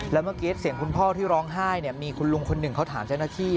แล้วเมื่อกี้เสียงคุณพ่อที่ร้องไห้มีคุณลุงคนหนึ่งเขาถามเจ้าหน้าที่